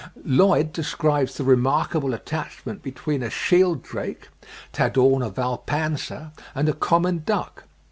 Lloyd describes the remarkable attachment between a shield drake (Tadorna vulpanser) and a common duck.